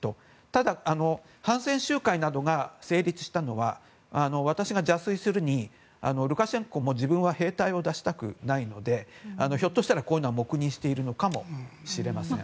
ただ反戦集会などが成立したのは私が邪推するにルカシェンコも自分は兵隊を出したくないのでひょっとしたら、こういうのは黙認しているのかもしれません。